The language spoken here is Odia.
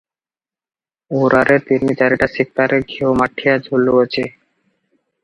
ଓରାରେ ତିନି ଚାରିଟା ଶିକାରେ ଘିଅ ମାଠିଆ ଝୁଲୁଅଛି ।